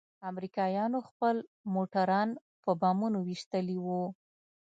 امريکايانوخپل موټران په بمونو ويشتلي وو.